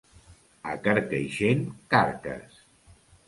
A Carcaixent, carques.